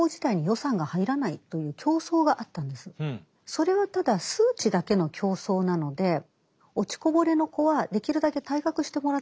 それはただ数値だけの競争なので落ちこぼれの子はできるだけ退学してもらった方が平均点は上がる。